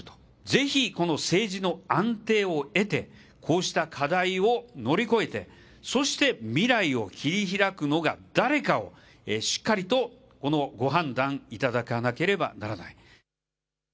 ぜひこの政治の安定を得て、こうした課題を乗り越えて、そして未来を切り開くのが誰かを、しっかりと、このご判断いただかなければならない。